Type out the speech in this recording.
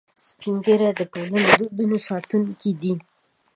سپین ږیری د ټولنې د دودونو ساتونکي دي